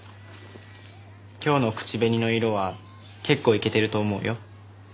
今日の口紅の色は結構イケてると思うよ。